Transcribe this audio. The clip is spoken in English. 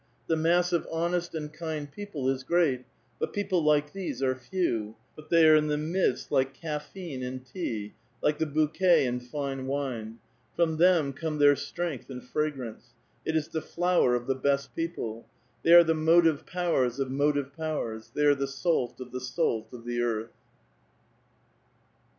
The mass of honest and kind people is greats but people like these are few ; but they are in the flridst, like theine in tea, like the bouquet in fine wine ; from them come their strength and fragrance ; it is the flower of the best people ; they are the motive powers of motive powers, they are the salt of the salt of the earth.